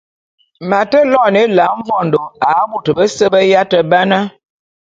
M’ate loene Ela mvondô a bôte bese be yate ba na.